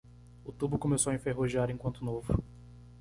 O tubo começou a enferrujar enquanto novo.